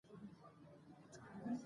هغې د اتومي جوړښت په اړه اټکل وکړ.